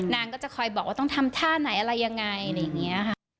นางก็จะคอยบอกว่าต้องทำท่าไหนอะไรยังไง